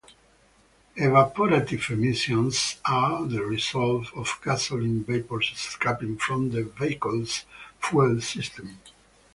Evaporative emissions are the result of gasoline vapors escaping from the vehicle's fuel system.